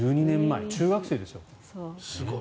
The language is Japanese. １２年前、中学生ですよ。